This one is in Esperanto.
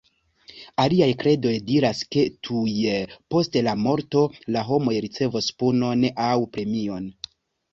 Aliaj kredoj diras ke tuj post la morto, la homoj ricevos punon aŭ premion.